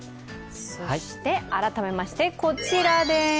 改めまして、こちらでーす。